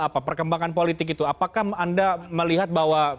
apa perkembangan politik itu apakah anda melihat bahwa